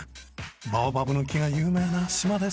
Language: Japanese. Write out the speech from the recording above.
バオバブの木が有名な島です。